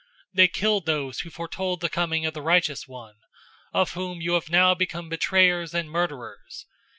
They killed those who foretold the coming of the Righteous One, of whom you have now become betrayers and murderers.